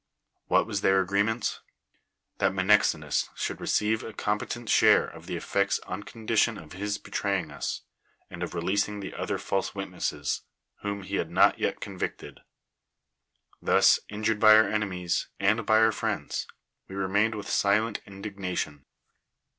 ^Yhat was their agreement? That ]\renexenus should receive a competent share of the effects on condition of his betraying us, and of releasing the other false witnesses, whom he had not yet convicted ; thus, injured by our enemies, and by our friends, we remained with silent indignation.